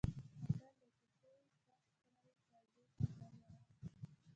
متل دی: چې سویې ترپ کړل تازي ته غول ورغلل.